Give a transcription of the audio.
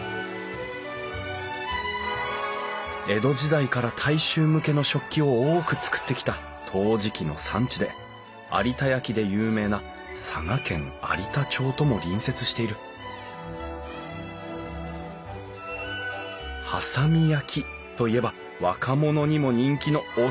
江戸時代から大衆向けの食器を多く作ってきた陶磁器の産地で有田焼で有名な佐賀県有田町とも隣接している波佐見焼といえば若者にも人気のおしゃれな器！